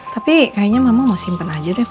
tapi kayaknya mama mau simpen aja deh pa ini